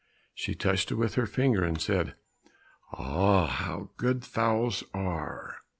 She touched it with her finger, and said, "Ah! how good fowls are!